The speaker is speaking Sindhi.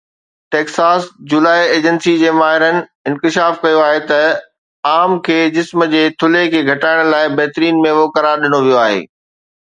ٽيڪساس جولاءِ ايجنسي جي ماهرن انڪشاف ڪيو آهي ته آم کي جسم جي ٿلهي کي گهٽائڻ لاءِ بهترين ميوو قرار ڏنو ويو آهي